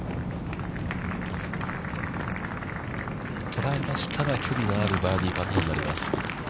捉えましたが、距離のあるバーディーパットになります。